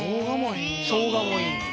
しょうがもいいんだ。